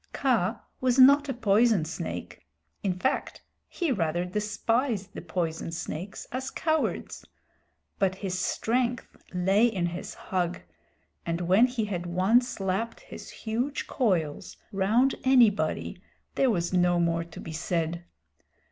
Kaa was not a poison snake in fact he rather despised the poison snakes as cowards but his strength lay in his hug, and when he had once lapped his huge coils round anybody there was no more to be said.